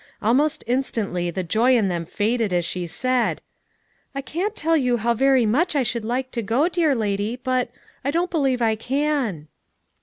Almost in stantly the joy in them faded as she said: "I can't tell you Sow very much I should like to go, dear lady, but — I don't believe I can."